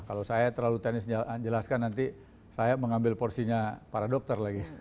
kalau saya terlalu tenis jelaskan nanti saya mengambil porsinya para dokter lagi